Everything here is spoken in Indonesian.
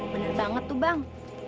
bener banget tuh bang